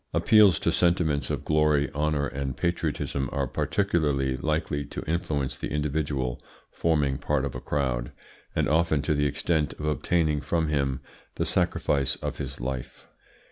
Appeals to sentiments of glory, honour, and patriotism are particularly likely to influence the individual forming part of a crowd, and often to the extent of obtaining from him the sacrifice of his life.